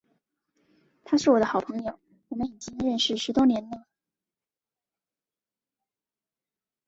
他是我的好朋友，我们已经认识十多年了。